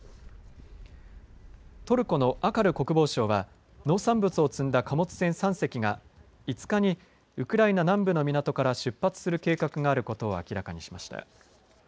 トルコのアカル国防相は農産物を積んだ貨物船３隻が５日にウクライナ南部の港から出発する計画があることを明らかにしました。